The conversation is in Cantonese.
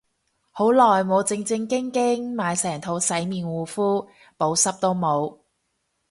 好耐冇正正經經買成套洗面護膚，補濕都冇